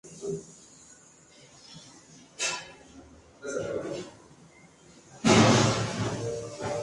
En su interior tiene altares laterales y el principal es de estilo Neoclásico.